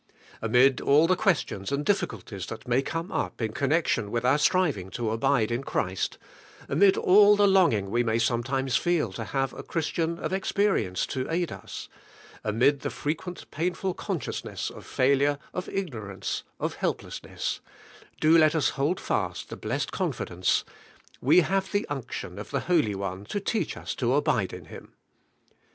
Amid all the questions and difficulties that may come up in connec tion with our striving to abide in Christ, — amid all the longing we may sometimes feel to have a Christian of experience to aid us, — amid the frequent painful consciousness of failure, of ignorance, of helplessness, — do let us hold fast the blessed confidence : We have the unction of the Holy One to teach tcs to aMde in Him.